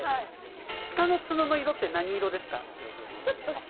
鹿の角の色って何色ですか？